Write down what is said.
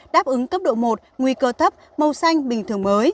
đáp ứng cấp độ một nguy cơ thấp màu xanh bình thường mới